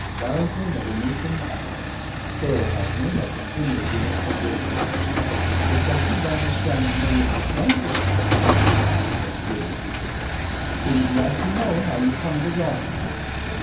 Ballantrae never moved a muscle, staring at me like an image in a pagoda. "The Sahib understands no English language," says the native, as glib as before. "He be glad to know how you come in a garden."